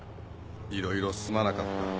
いろいろすまなかった。